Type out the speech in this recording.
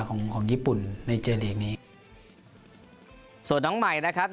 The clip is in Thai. ของของญี่ปุ่นในเจลีกนี้ส่วนน้องใหม่นะครับ